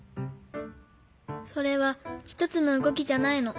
それはひとつのうごきじゃないの。